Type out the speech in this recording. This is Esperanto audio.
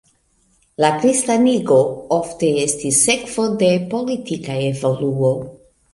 La kristanigo ofte estis sekvo de politika evoluo.